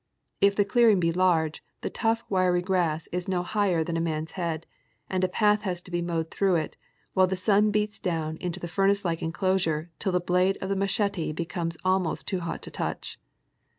If the clearing be large, the tough, wiry grass is no higher than a man's head, and a path has to be mowed through it, while the sun beats down into the fui nace like enclosure till the blade of the machete becomes almost too hot to touch.